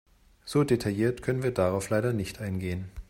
So detailliert können wir darauf leider nicht eingehen.